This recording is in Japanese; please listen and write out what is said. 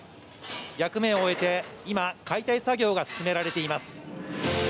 役目を終えて今、解体作業が進められています。